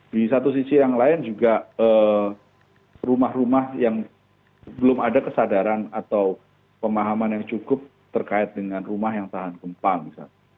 di satu sisi yang lain juga rumah rumah yang belum ada kesadaran atau pemahaman yang cukup terkait dengan rumah yang tahan gempa misalnya